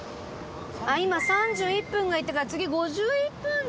今３１分が行ったから次５１分だ。